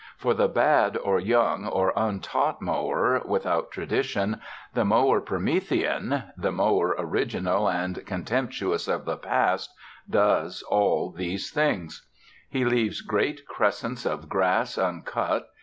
For the bad or young or untaught mower without tradition, the mower Promethean, the mower original and contemptuous of the past, does all these things: He leaves great crescents of grass uncut.